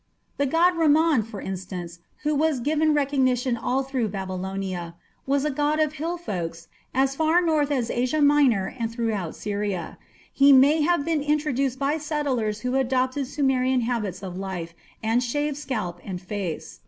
The god Ramman, for instance, who was given recognition all through Babylonia, was a god of hill folks as far north as Asia Minor and throughout Syria. He may have been introduced by settlers who adopted Sumerian habits of life and shaved scalp and face.